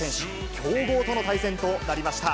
強豪との対戦となりました。